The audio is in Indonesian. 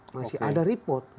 masih ada report